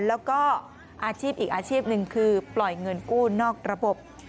แล้วก็อาชีพอีกอาชีพหนึ่งคือปล่อยเงินกู้นอกระบบ